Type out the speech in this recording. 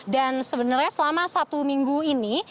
dan sebenarnya selama satu minggu ini